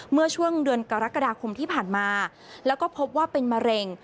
เมื่อช่วงเดือนกรกฎาคมที่ผ่านมาแล้วก็พบว่าเป็นมะเร็ง